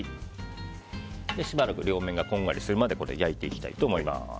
しばらく両面がこんがりするまで焼いていきます。